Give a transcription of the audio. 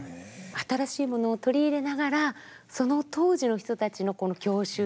新しいものを取り入れながらその当時の人たちの郷愁っていうか共感も。